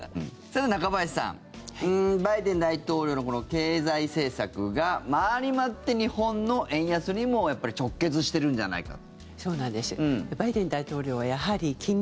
さて、中林さんバイデン大統領の経済政策が回りまわって日本の円安にも直結しているんじゃないか。